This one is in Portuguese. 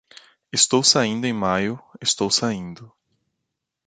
Estou saindo em maio, estou saindo.